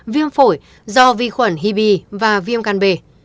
viêm phổi do vi khuẩn hiv và viêm can bề